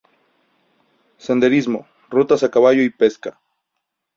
Senderismo, rutas a caballo y pesca.